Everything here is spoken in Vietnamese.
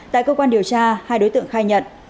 tại cơ quan điều tra hai đối tượng khai nhận